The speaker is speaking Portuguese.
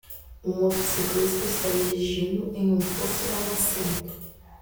Um motociclista está dirigindo em um poço lamacento.